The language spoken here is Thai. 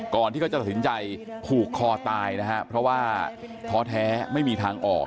ก่อนที่เขาจะตัดสินใจผูกคอตายนะฮะเพราะว่าท้อแท้ไม่มีทางออก